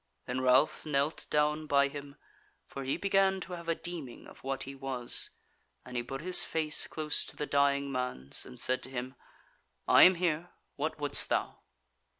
Then Ralph knelt down by him, for he began to have a deeming of what he was, and he put his face close to the dying man's, and said to him; "I am here, what wouldst thou?"